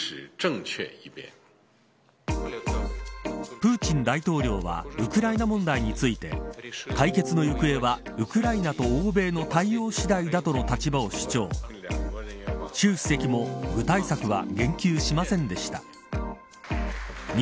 プーチン大統領はウクライナ問題について解決の行方はウクライナと欧米の対応次第だとの立場を主張習主席も、具体策はハァ。